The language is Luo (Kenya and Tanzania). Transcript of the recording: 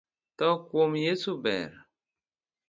Tho kuon yeso ber.